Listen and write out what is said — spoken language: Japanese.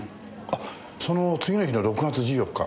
その次の日の６月１４日